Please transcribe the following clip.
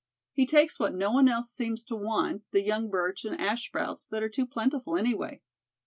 He takes what no one else seems to want, the young birch and ash sprouts that are too plentiful anyway.